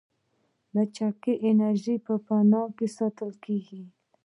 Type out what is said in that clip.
لچک انرژي په فنر کې ساتل کېږي.